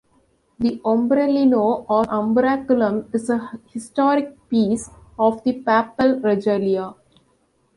The "ombrellino" or umbraculum is a historic piece of the papal regalia.